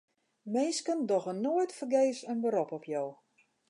Minsken dogge noait fergees in berop op jo.